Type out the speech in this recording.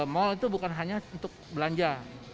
mall itu bukan hanya untuk belanja